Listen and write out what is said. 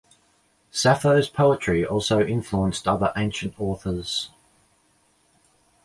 Sappho's poetry also influenced other ancient authors.